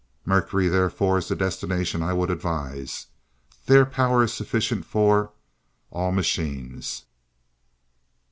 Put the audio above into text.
"Mercury therefore is the destination I would advise. There power is sufficient for all machines."